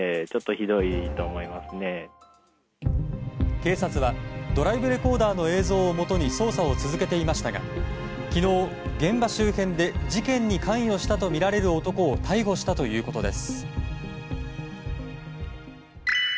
警察はドライブレコーダーの映像をもとに捜査を続けていましたが昨日、現場周辺で事件に関与したとみられる男を逮捕したということです。